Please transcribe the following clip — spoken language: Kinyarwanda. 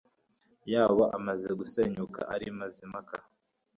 yabo amaze gusenyuka ari mazimpaka